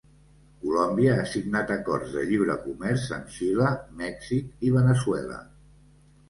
Colòmbia ha signat acords de lliure comerç amb Xile, Mèxic i Veneçuela.